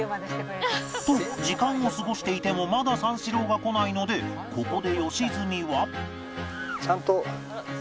と時間を過ごしていてもまだ三四郎が来ないのでここで良純は